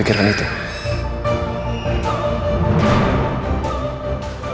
anda akan membuat makam palsunya nindi